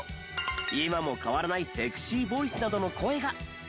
「今も変わらないセクシーボイス！」などの声が。